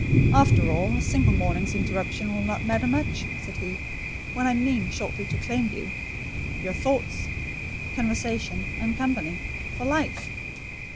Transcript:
"After all, a single morning's interruption will not matter much," said he, "when I mean shortly to claim you—your thoughts, conversation, and company—for life."